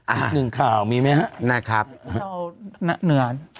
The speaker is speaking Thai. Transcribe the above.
อ่าหนึ่งข่าวมีไหมครับหนือ